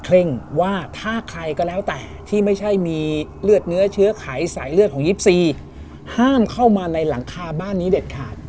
เร่งว่าถ้าใครก็แล้วแต่ที่ไม่ใช่มีเลือดเนื้อเชื้อไขสายเลือดของ๒๔ห้ามเข้ามาในหลังคาบ้านนี้เด็ดขาด